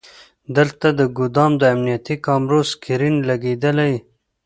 دلته د ګودام د امنیتي کامرو سکرین لګیدلی.